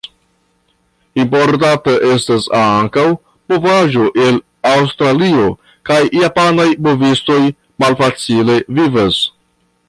Importata estas ankaŭ bovaĵo el Aŭstralio, kaj japanaj bovistoj malfacile vivas.